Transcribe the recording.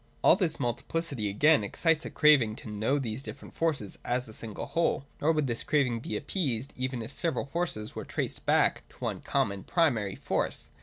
All this multiplicity again excites a craving to know these different forces as a single whole, nor would this craving be 250 THE DOCTRINE OF ESSENCE. [136. appeased even if the several forces wrere traced back to one common primary force.